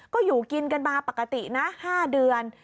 ก็อยู่กินกันมาปกตินะ๕เดือน